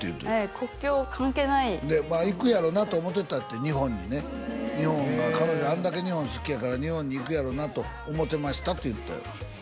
国境関係ない行くやろうなと思ってたって日本にね日本が彼女あんだけ日本好きやから日本に行くやろうなと思ってましたって言ってたよ